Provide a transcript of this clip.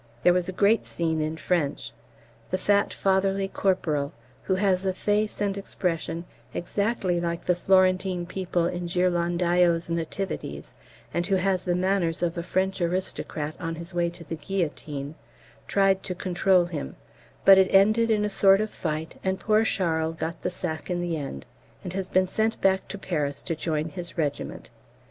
There was a great scene in French. The fat fatherly corporal (who has a face and expression exactly like the Florentine people in Ghirlandaio's Nativities, and who has the manners of a French aristocrat on his way to the guillotine) tried to control him, but it ended in a sort of fight, and poor Charles got the sack in the end, and has been sent back to Paris to join his regiment.